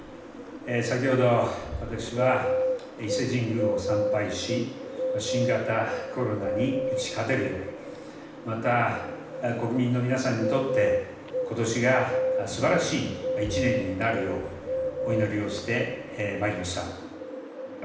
先ほど、私は伊勢神宮を参拝し、新型コロナに打ち勝てるよう、また、国民の皆さんにとって、ことしがすばらしい一年になるよう、お祈りをしてまいりました。